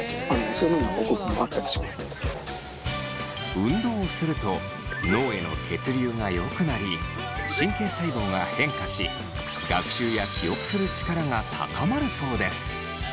運動をすると脳への血流がよくなり神経細胞が変化し学習や記憶する力が高まるそうです。